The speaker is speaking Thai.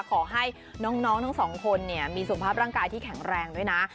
ขอให้น้องทั้งสองคนมีสุขภาพร่างกายที่แข็งแรงด้วยนะ